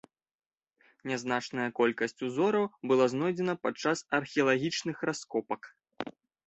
Нязначная колькасць узораў была знойдзена падчас археалагічных раскопак.